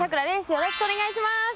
よろしくお願いします。